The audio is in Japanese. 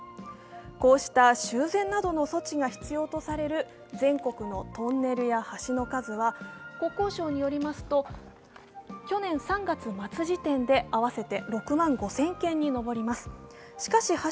こうした修繕などの措置が必要とされる全国のトンネルや橋の数は国交省によりますと、去年３月末時点で合わせて６万５０００件に上ります